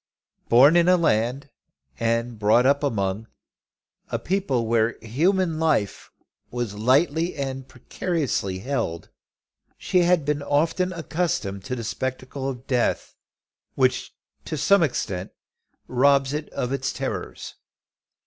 Born in a land and brought up among a people where human life was lightly and precariously held, she had been often accustomed to the spectacle of death, which to some extent robs it of its terrors.